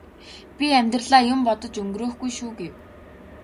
би амьдралаа юм бодож өнгөрөөхгүй шүү гэв.